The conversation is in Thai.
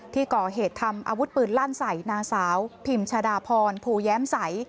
ที่ก่อเหตุทำอาวุธปืนลั่นใส่นางสาวพิมชาดาพรภูแย้มใส